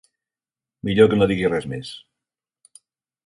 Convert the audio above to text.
Millor que no digui res més.